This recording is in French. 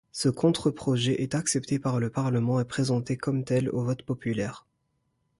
Ce contre-projet est accepté par le Parlement et présenté comme tel au vote populaire.